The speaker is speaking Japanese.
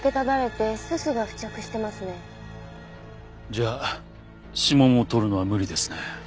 じゃあ指紋を採るのは無理ですね。